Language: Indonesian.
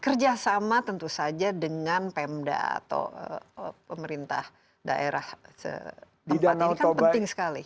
kerjasama tentu saja dengan pemda atau pemerintah daerah setempat ini kan penting sekali